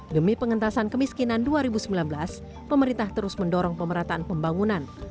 demi pengentasan kemiskinan dua ribu sembilan belas pemerintah terus mendorong pemerataan pembangunan